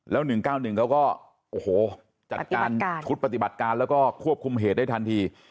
แล้ว๑๙๑เขาก็โอ้โหจัดการชุดปฏิบัติการแล้วก็ควบคุมเหตุได้ทันที